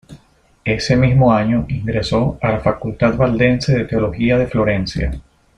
Ese mismo año ingresó a la Facultad Valdense de Teología de Florencia.